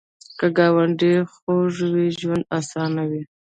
که ګاونډي خوږ وي، ژوند اسان وي